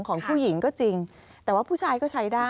ของผู้หญิงก็จริงแต่ว่าผู้ชายก็ใช้ได้